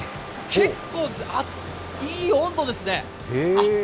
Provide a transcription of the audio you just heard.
結構いい温度ですね。